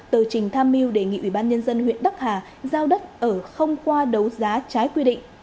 tờ trình tham mưu đề nghị ủy ban nhân dân huyện đắc hà giao đất ở không qua đấu giá trái quy định